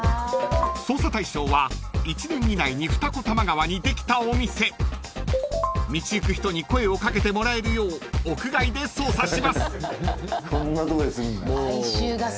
［捜査対象は１年以内に二子玉川にできたお店］［道行く人に声を掛けてもらえるよう屋外で捜査します］